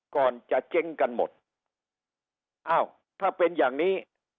ก่อนจะเจ๊งกันหมดอ้าวถ้าเป็นอย่างนี้